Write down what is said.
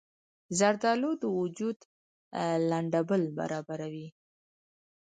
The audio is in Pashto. زردالو د وجود لندبل برابروي.